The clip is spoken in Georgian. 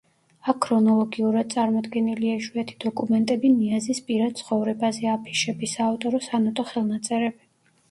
აქ ქრონოლოგიურად წარმოდგენილია იშვიათი დოკუმენტები ნიაზის პირად ცხოვრებაზე, აფიშები, საავტორო სანოტო ხელნაწერები.